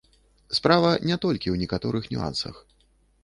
Справа не толькі ў некаторых нюансах.